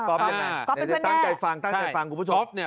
ตั้งใจฟังกุปุศชม